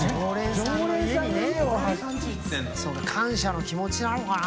修Δ感謝の気持ちなのかな？